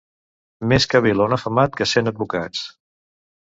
Més cavil·la un afamat que cent advocats.